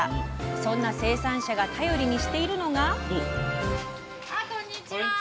そんな生産者が頼りにしているのがこんにちは。